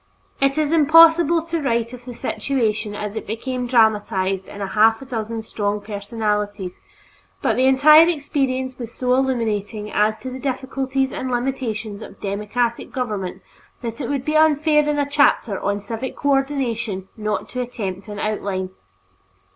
It is impossible to write of the situation as it became dramatized in half a dozen strong personalities, but the entire experience was so illuminating as to the difficulties and limitations of democratic government that it would be unfair in a chapter on Civic Cooperation not to attempt an outline.